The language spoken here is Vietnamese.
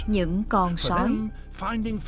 những con sói